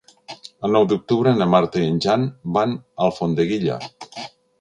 El nou d'octubre na Marta i en Jan van a Alfondeguilla.